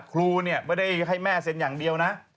ครูไม่ได้ให้แม่เซ็นอย่างเดียวนะ